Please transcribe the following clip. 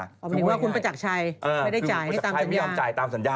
อ๋อหมายถึงว่าคุณประจักรชัยไม่ได้จ่ายตามสัญญา